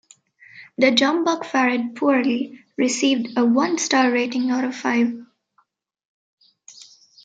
The Jumbuck fared poorly, receiving a one-star rating out of five.